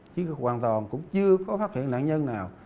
chứ hoàn toàn cũng chưa có phát hiện nạn nhân nào